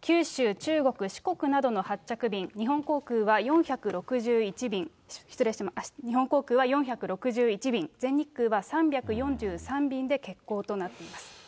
九州、中国、四国などの発着便、日本航空は４６１便、全日空は３４３便で欠航となっています。